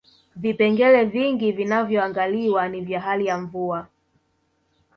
vipengele vingi vinavyoangaliwa ni vya hali ya mvua